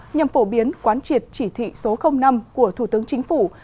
nhằm phổ biến quán triệt chỉ thị số năm của thủ tướng chính phủ